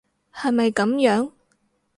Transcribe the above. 係咪噉樣？